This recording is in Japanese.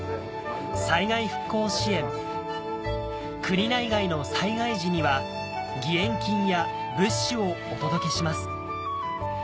国内外の災害時には義援金や物資をお届けします